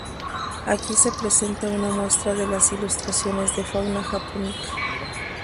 Aqui se presenta una muestra de las ilustraciones de "Fauna Japonica".